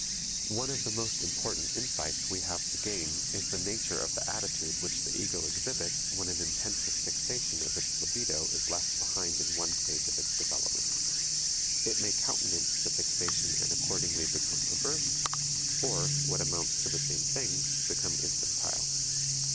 One of the most important insights we have to gain is the nature of the attitude which the ego exhibits when an intensive fixation of its libido is left behind in one stage of its development. It may countenance the fixation and accordingly become perverse or, what amounts to the same thing, become infantile.